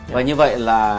và như vậy là